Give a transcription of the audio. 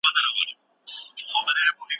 د خوب نشتوالی ناروغي راولي